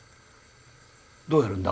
どうやるんだ？